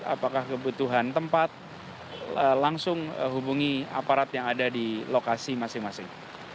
apakah kebutuhan tempat langsung hubungi aparat yang ada di lokasi masing masing